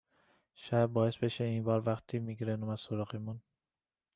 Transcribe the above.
شاید باعث بشه این بار وقتی میگرِن اومد سراغمون